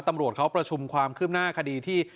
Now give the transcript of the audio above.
ตำรวจเขาประชุมความคืบหน้าคดีที่